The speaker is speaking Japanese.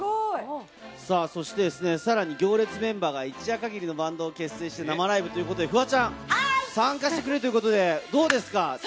そして、さらに『行列』メンバーが一夜限りのバンドを結成して生ライブということでフワちゃん、参加してくれるということでどうですか？